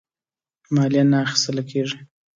مالیه نه اخیستله کیږي.